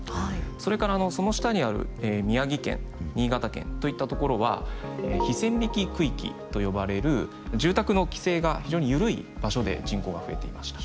それからその下にある宮城県新潟県といったところは非線引き区域と呼ばれる住宅の規制が非常に緩い場所で人口が増えていました。